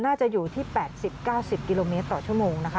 น่าจะอยู่ที่๘๐๙๐กิโลเมตรต่อชั่วโมงนะคะ